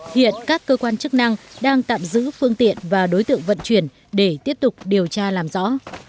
hiện các cơ quan chức năng đang tạm giữ phương tiện và đối tượng vận chuyển để tiếp tục điều tra làm rõ